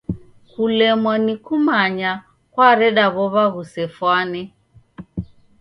Kulemwa ni kumanya kwareda w'ow'a ghusefwane.